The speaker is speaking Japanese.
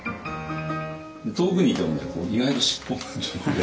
遠くにいてもね意外と尻尾が邪魔で。